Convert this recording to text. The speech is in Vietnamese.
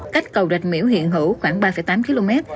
cách cầu rạch miễu hiện hữu khoảng ba tám km